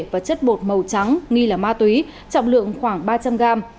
và chất bột màu trắng nghi là ma túy trọng lượng khoảng ba trăm linh gram